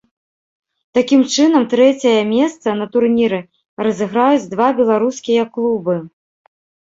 Такім чынам, трэцяе месца на турніры разыграюць два беларускія клубы.